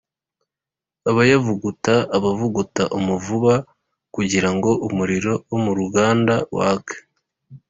abayavugutira: abavuguta umuvuba kugira ngo umuriro wo mu ruganda wake